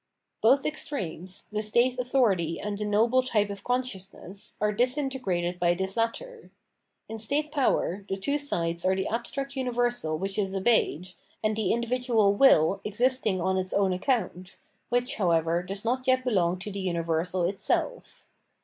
Both extremes, the state authority and the noble type of consciousness, are disintegrated by this latter. In state power, the two sides are the abstract umversal which is obeyed, and the individual will existing on its own account, which, however, does not yet belong to the universal itself.